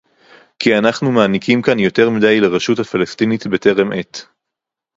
כי אנחנו מעניקים כאן יותר מדי לרשות הפלסטינית בטרם עת